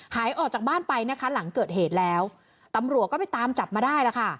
หายออกจากบ้านไปนะคะหลังเกิดเหตุแล้วตำรวจก็ไปตามจับมาได้แล้วค่ะ